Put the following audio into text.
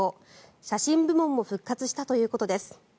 写真部門も復活したということです。